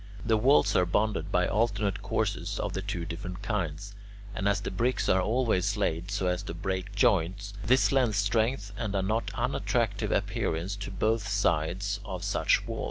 The walls are bonded by alternate courses of the two different kinds, and as the bricks are always laid so as to break joints, this lends strength and a not unattractive appearance to both sides of such walls.